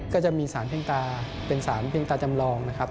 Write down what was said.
ก็จะมีสารเพ่งตาเป็นสารเพ่งตาจำลองนะครับ